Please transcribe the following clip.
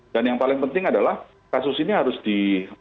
dan yang paling penting adalah kasus ini harus di